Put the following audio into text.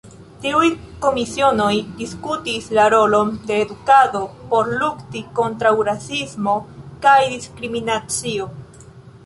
Tiuj komisionoj diskutis la rolon de edukado por lukti kontraŭ rasismo kaj diskriminacio.